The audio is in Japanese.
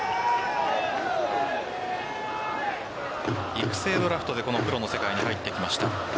育成ドラフトでこのプロの世界に入ってきました。